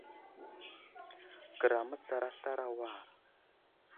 Kəra a mətsar aslar a war.